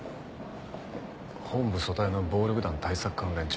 本部組対の暴力団対策課の連中だな。